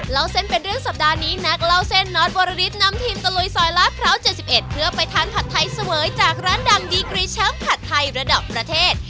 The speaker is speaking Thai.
เล่าเส้นเป็นเรื่องสัปดาห์นี้นักเล่าเส้นน็อตวรริสนำทีมตะลุยซอยลาดพร้าว๗๑เพื่อไปทานผัดไทยเสวยจากร้านดังดีกรีแชมป์ผัดไทยระดับประเทศ